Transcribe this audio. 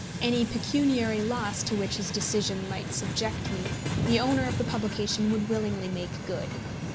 Any pecuniary loss to which his decision might subject me the owner of the publication would willingly make good.